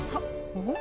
おっ！